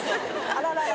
あららら。